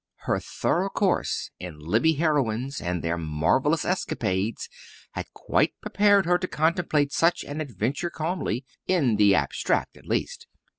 Her thorough course in Libbey heroines and their marvellous escapades had quite prepared her to contemplate such an adventure calmly in the abstract at least.